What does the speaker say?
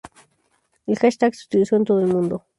El hashtag se utilizó en todo el mundo.